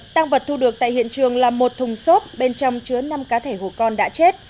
tăng vật thu được tại hiện trường là một thùng xốp bên trong chứa năm cá thể hồ con đã chết